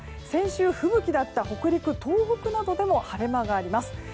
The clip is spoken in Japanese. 先週、吹雪だった北陸、東北などでも晴れ間があります。